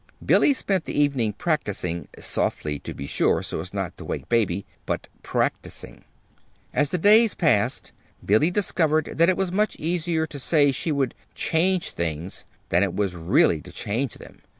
Billy spent the evening practicing softly, to be sure, so as not to wake Baby but practicing. As the days passed Billy discovered that it was much easier to say she would "change things" than it was really to change them.